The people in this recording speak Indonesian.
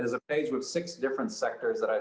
tapi ada sebuah pagi dengan enam sektor yang berbeda